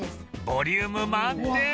ボリューム満点！